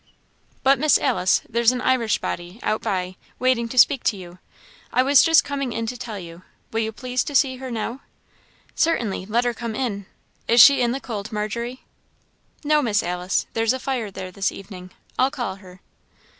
"But, Miss Alice, there's an Irish body, out by, waiting to speak to you. I was just coming in to tell you; will you please to see her now?" "Certainly let her come in. Is she in the cold, Margery?" "No, Miss Alice there's a fire there this evening. I'll call her."